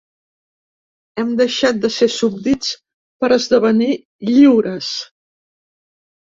Hem deixat de ser súbdits per esdevenir lliures.